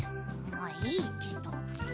まあいいけど。